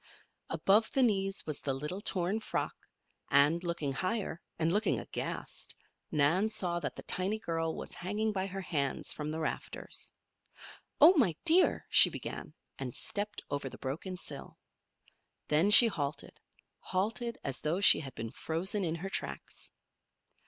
Above the knees was the little torn frock, and, looking higher, and looking aghast, Nan saw that the tiny girl was hanging by her hands from the rafters. "Oh, my dear!" she began, and stepped over the broken sill. Then she halted halted as though she had been frozen in her tracks.